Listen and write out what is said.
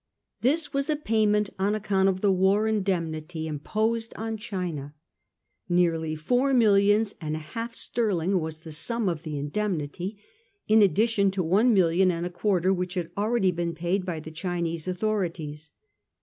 This was a payment on account of the war indemnity imposed on China. Nearly four millions and a half sterling was the sum of the indemnity, in addition to one million and a quarter which had already been paid by the Chinese authorities.